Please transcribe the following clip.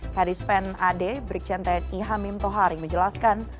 karis pen ade brikjenteni hamim tohari menjelaskan